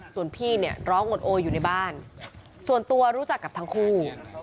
ส่วนพี่เนี่ยร้องอดโออยู่ในบ้านส่วนตัวรู้จักกับทั้งคู่